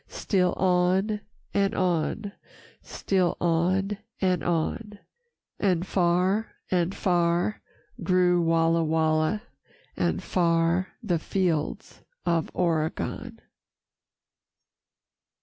Still on and on, still on and on, And far and far grew Walla Walla, And far the fields of Oregon.